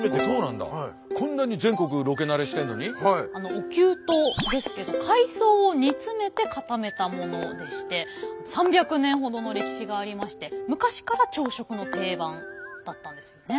おきゅうとですけど海藻を煮詰めて固めたものでして３００年ほどの歴史がありまして昔から朝食の定番だったんですよね。